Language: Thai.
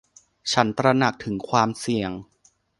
ฉันตระหนักถึงความเสี่ยง